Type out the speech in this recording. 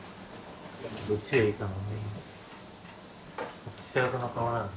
どっちがいいかな。